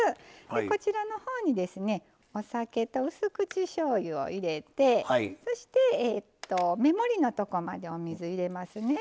こちらの方にですねお酒とうす口しょうゆを入れてそして目盛りのとこまでお水を入れますね。